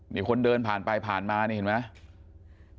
มีคนเดินผ่านไปผ่านมานี่เห็นไหม